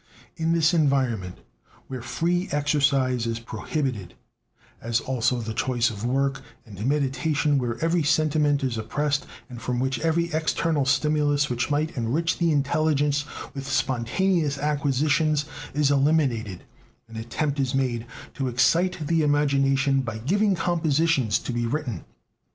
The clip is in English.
In this environment, where free exercise is prohibited, as also the choice of work, and meditation, where every sentiment is oppressed, and from which every external stimulus which might enrich the intelligence with spontaneous acquisitions is eliminated, an attempt is made to excite the imagination by giving "compositions" to be written.